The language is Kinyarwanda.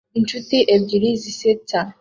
Inshuti ebyiri zisetsa